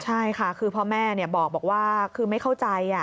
ใช่ค่ะคือพ่อแม่บอกว่าคือไม่เข้าใจ